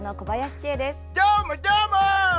どーも、どーも！